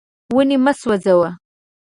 ونې مه سوځوه.